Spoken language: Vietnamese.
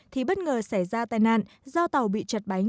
thì bất ngờ xảy ra tai nạn do tàu bị chật bánh